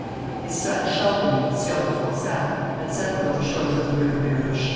His son Charles Denys, Sieur de Fronsac, had settled on the shores of the river Miramichi.